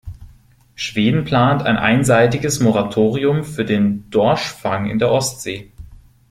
Schweden plant, ein einseitiges Moratorium für den Dorschfang in der Ostsee.